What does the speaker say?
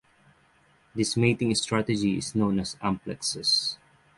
This mating strategy is known as amplexus.